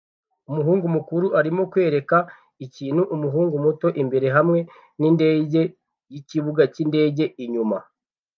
Umuhungu mukuru arimo kwereka ikintu umuhungu muto imbere hamwe nindege yikibuga cyindege inyuma